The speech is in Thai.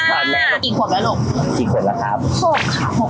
กี่ขวบแล้วหล่ะล้ม